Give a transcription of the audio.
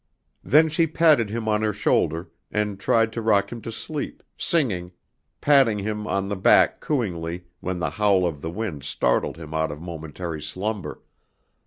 Then she patted him on her shoulder, and tried to rock him to sleep, singing, patting him on the back cooingly when the howl of the wind startled him out of momentary slumber.